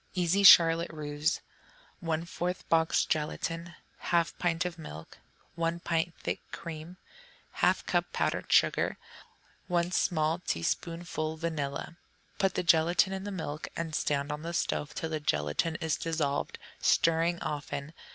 Easy Charlotte Russe 1/4 box gelatine. 1/2 pint of milk. 1 pint thick cream. 1/2 cup powdered sugar. 1 small teaspoonful vanilla. Put the gelatine in the milk and stand on the stove till the gelatine is dissolved, stirring often.